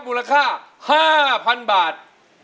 มูลค่าห้าพันบาท